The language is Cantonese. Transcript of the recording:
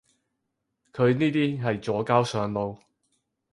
佢呢啲係左膠上腦